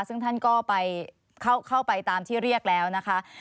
ซึ่งท่านก็เข้าไปตามที่เรียกแล้วนะคะ